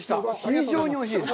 非常においしいです。